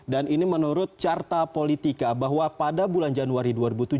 dan ini menurut carta politika bahwa pada bulan januari dua ribu tujuh belas